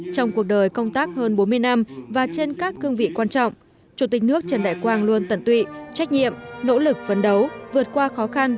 trong cuộc đời công tác hơn bốn mươi năm và trên các cương vị quan trọng chủ tịch nước trần đại quang luôn tận tụy trách nhiệm nỗ lực phấn đấu vượt qua khó khăn